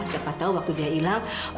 siapa tahu waktu dia hilal